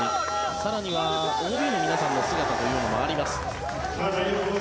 更にはＯＢの皆さんの姿もあります。